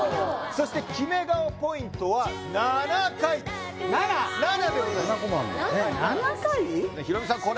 そしてキメ顔ポイントは７回７？７でございますえっ７回！？